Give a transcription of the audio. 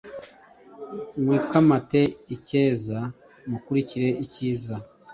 Mwikamate icyeza mukurikire icyiza